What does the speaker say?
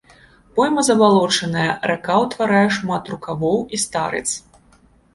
Пойма забалочаная, рака ўтварае шмат рукавоў і старыц.